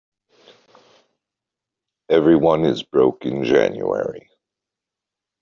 Everyone is broke in January.